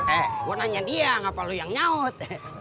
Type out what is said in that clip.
eh gue nanya dia apa lo yang nyaut